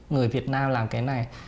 người việt nam làm cái này